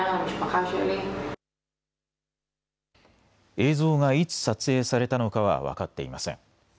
映像がいつ撮影されたのかは分かっていません。